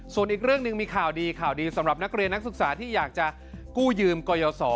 ส่วนอีกเรื่องหนึ่งมีข่าวดีข่าวดีสำหรับนักเรียนนักศึกษาที่อยากจะกู้ยืมกรยศ